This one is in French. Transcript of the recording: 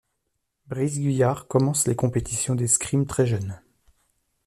Brice Guyart commence les compétitions d'escrime très jeune.